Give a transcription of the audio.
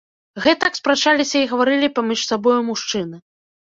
Гэтак спрачаліся і гаварылі паміж сабою мужчыны.